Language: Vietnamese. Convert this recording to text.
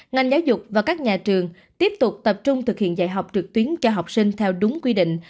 ngành giáo dục và các nhà trường tiếp tục tập trung thực hiện dạy học trực tuyến cho học sinh theo đúng quy định